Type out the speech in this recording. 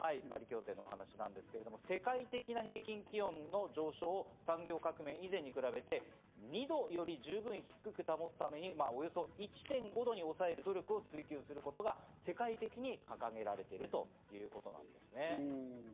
国際的な枠組みのパリ協定なんですが、世界的な平均気温の上昇を産業革命以前に比べて、２度より十分低く保つためにおよそ１．５度に抑える努力を追求することが世界的に掲げられているということなんです。